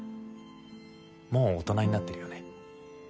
もう大人になってるよね？